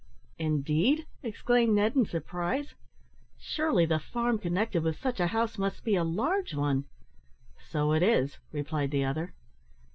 "Indeed!" exclaimed Ned, in surprise. "Surely the farm connected with such a house must be a large one?" "So it is," replied the other.